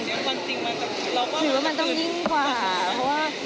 จริงมันจะตื่นคือว่ามันต้องนิ่งกว่าเพราะว่า